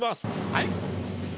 はい。